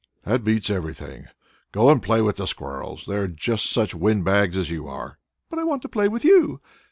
"That beats everything. Go and play with the squirrels! They are just such wind bags as you are!" "But I want to play with you."